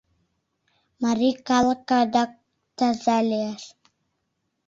Марий калык адак таза лиеш...